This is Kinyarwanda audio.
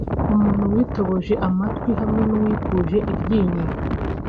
Umuntu witoboje amatwi hamwe n’uwikuje iryinyo